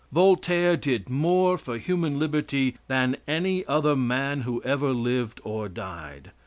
Voltaire did more for human liberty than any other man who ever lived or died.